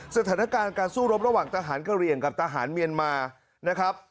สถานการณ์การสู้รบระหว่างทหารกะเหลี่ยงกับทหารเมียนมานะครับ